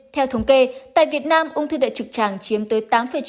theo thống kê tại việt nam ung thư đại trực tràng chiếm tới tám